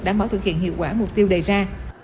đảm bảo thực hiện hiệu quả mục tiêu đề ra